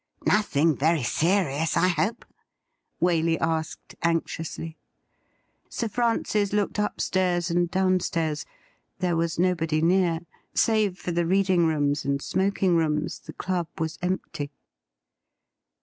' Nothing vei y serious, I hope ?'' Waley asked anxiously. Sir Francis looked upstairs and downstairs. There was nobody near ; save for the reading rooms and smoking rooms, the club was empty.